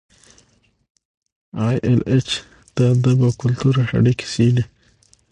ای ایل ایچ د ادب او کلتور اړیکې څیړي.